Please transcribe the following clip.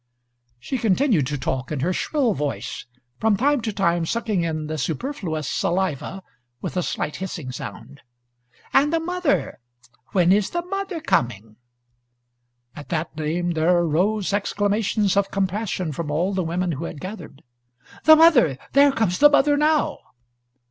She continued to talk in her shrill voice, from time to time sucking in the superfluous saliva with a slight hissing sound. "And the mother? When is the mother coming?" At that name there arose exclamations of compassion from all the women who had gathered. "The mother! There comes the mother, now!"